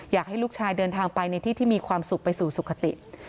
อยากให้ลูกชายเดินทางไปในที่ที่มีความสุขไปสู่สุขติ